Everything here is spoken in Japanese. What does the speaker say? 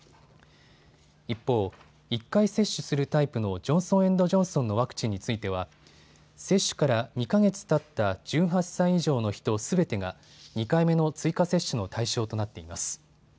一方、１回接種するタイプのジョンソン・エンド・ジョンソンのワクチンについては接種から２か月たった１８歳以上の人すべてが２回目の追加接種の対象となっています。